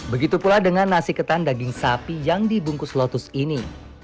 begitu pula dengan nasi ketan daging sapi yang dibungkus lotus ini